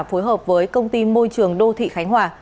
phối hợp với công ty môi trường đô thị khánh hòa